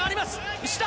石田！